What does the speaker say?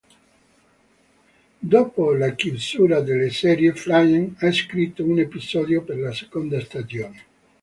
Dopo la chiusura della serie, Flynn ha scritto un episodio per la seconda stagione.